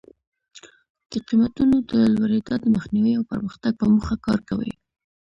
د قیمتونو د لوړېدا د مخنیوي او پرمختګ په موخه کار کوي.